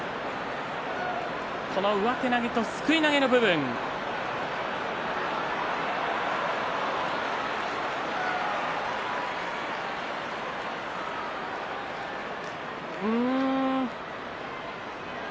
この上手投げとすくい投げの部分です。